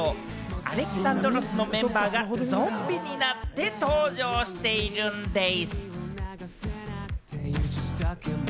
［Ａｌｅｘａｎｄｒｏｓ］のメンバーがゾンビになって登場しているんでぃす。